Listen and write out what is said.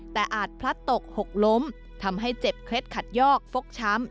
แต่อาจพลัดตกหกล้มทำให้เจ็บเคล็ดขัดยอกฟกช้ำ